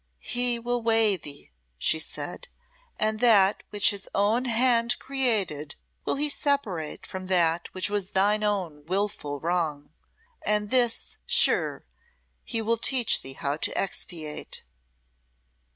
"He will weigh thee," she said; "and that which His own hand created will He separate from that which was thine own wilful wrong and this, sure, He will teach thee how to expiate."